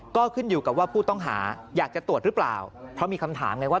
ก็ขึ้นอยู่กับว่าผู้ต้องหาอยากจะตรวจหรือเปล่าเพราะมีคำถามไงว่า